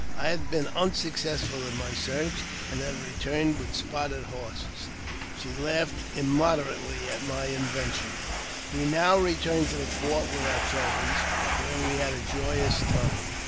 I had been unsuccessful in my search, and h returned with spotted horses. She laughed immoderately at my invention. We now returned to the fort with our trophies, where we had a joyous time.